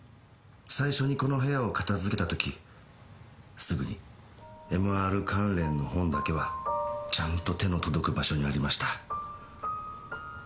最初にこの部屋を片付けた時すぐにＭＲ関連の本だけはちゃんと手の届く場所にありました